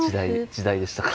時代でしたか。